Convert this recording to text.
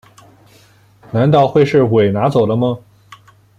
难道会是鬼拿走了吗